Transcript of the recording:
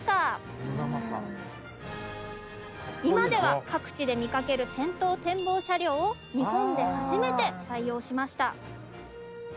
今では各地で見かける先頭展望車両を日本で初めて採用しました。